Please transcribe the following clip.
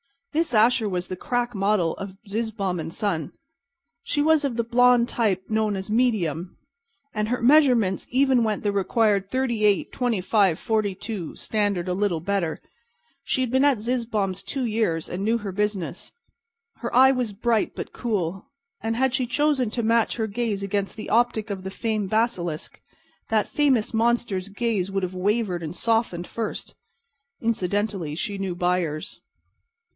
Miss Asher was the crack model of Zizzbaum & Son. She was of the blond type known as "medium," and her measurements even went the required 38 25 42 standard a little better. She had been at Zizzbaum's two years, and knew her business. Her eye was bright, but cool; and had she chosen to match her gaze against the optic of the famed basilisk, that fabulous monster's gaze would have wavered and softened first. Incidentally, she knew buyers.